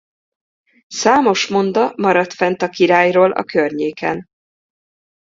Számos monda maradt fenn a királyról a környéken.